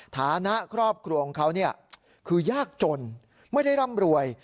ฐานะครอบครัวของเขาคือยากจนไม่ได้ร่ำรวย